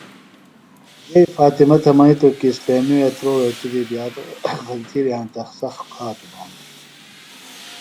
یئی فاطمہ تھےۡ منِیتو کی اِسلیمی وے تُرو ریتیۡ دی زِیات خچیۡ تِھیلیۡ ہینتہ سخت کھاچُوۡ بھانوۡ۔